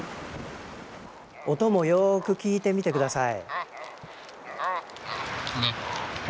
音もよく聞いてみて下さい。